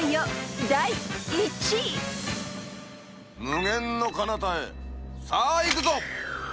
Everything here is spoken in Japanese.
「無限のかなたへさあ行くぞ！」